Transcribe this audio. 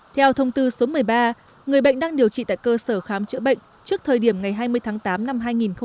theo thông tư số một mươi ba người bệnh đang điều trị tại cơ sở khám chữa bệnh trước thời điểm ngày hai mươi tháng tám năm hai nghìn một mươi chín